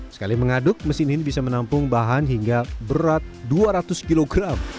sekali mengaduk mesin ini bisa menampung bahan hingga berat dua ratus kg